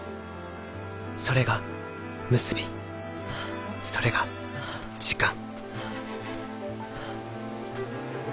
それがムスビそれが時間。